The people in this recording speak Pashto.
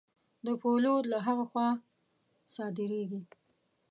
د پولو له هغه خوا صادرېږي.